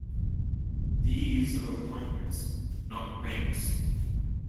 These are appointments, not ranks.